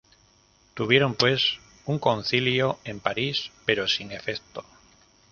Tuvieron pues un concilio en París, pero sin efecto.